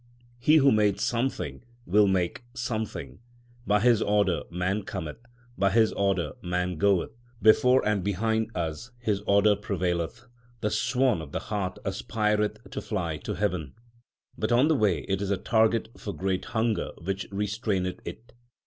He who made something will make something. By His order man cometh ; by His order man goeth ; Before and behind us His order prevaileth. The swan of the heart aspireth to fly to heaven ; But on the way it is a target for great hunger which restraineth it.